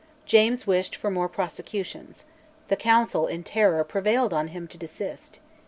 James wished for more prosecutions; the Council, in terror, prevailed on him to desist.